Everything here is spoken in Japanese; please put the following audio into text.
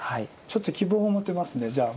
ちょっと希望が持てますねじゃあ。